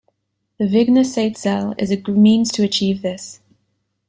The Wigner-Seitz cell is a means to achieve this.